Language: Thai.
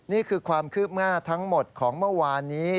นี่คือความคืบหน้าทั้งหมดของเมื่อวานนี้